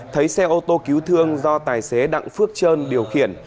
thấy xe ô tô cứu thương do tài xế đặng phước trơn điều khiển